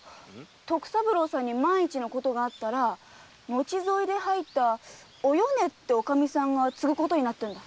徳三郎さんに万一のことがあったら後添いで入ったお米って内儀さんが継ぐことになってんだ。